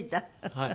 はい。